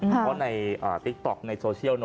เพราะในติ๊กต๊อกในโซเชียล